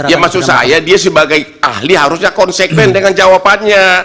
ya maksud saya dia sebagai ahli harusnya konsekuen dengan jawabannya